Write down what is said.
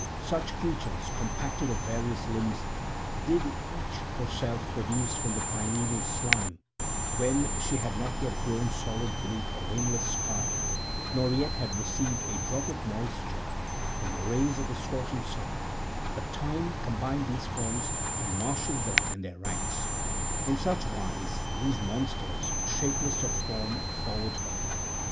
Such creatures, compacted of various limbs, did each herself produce from the primeval slime when she had not yet grown solid beneath a rainless sky nor yet had received a drop of moisture from the rays of the scorching sun; but time combined these forms and marshalled them in their ranks; in such wise these monsters shapeless of form followed her.